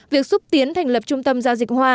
việc xúc tiến thành lập trung tâm giao dịch hoa